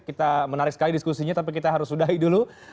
kita menarik sekali diskusinya tapi kita harus sudahi dulu